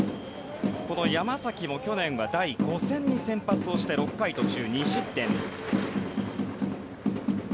この山崎も去年は第５戦に先発して６回途中、２失点。